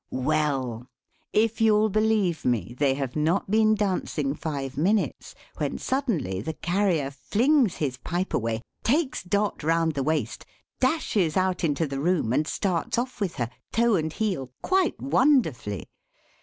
Well! if you'll believe me, they have not been dancing five minutes, when suddenly the Carrier flings his pipe away, takes Dot round the waist, dashes out into the room, and starts off with her, toe and heel, quite wonderfully.